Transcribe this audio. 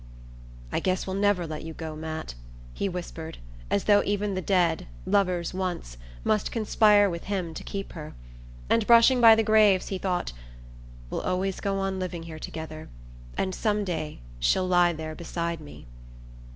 "I guess we'll never let you go, Matt," he whispered, as though even the dead, lovers once, must conspire with him to keep her; and brushing by the graves, he thought: "We'll always go on living here together, and some day she'll lie there beside me."